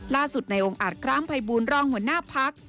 ล่าสุดในองค์อาศกรามไพรบูนรองหัวหน้าพัก